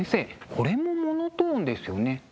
これもモノトーンですよね。